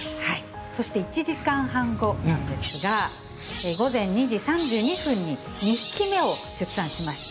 そして１時間半後なんですが、午前２時３２分に、２匹目を出産しました。